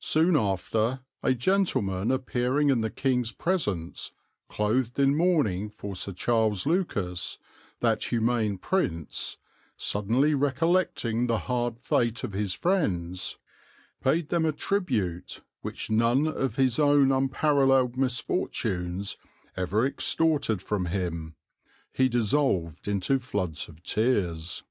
"Soon after, a gentleman appearing in the King's presence, clothed in mourning for Sir Charles Lucas; that humane Prince, suddenly recollecting the hard fate of his friends, paid them a tribute, which none of his own unparalleled misfortunes ever extorted from him; He dissolved into a flood of tears."